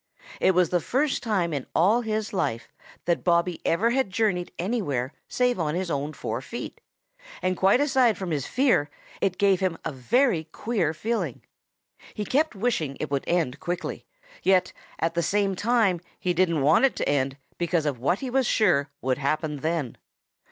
It was the first time in all his life that Bobby ever had journeyed anywhere save on his own four feet, and quite aside from his fear, it gave him a very queer feeling. He kept wishing it would end quickly, yet at the same time he didn't want it to end because of what he was sure would happen then.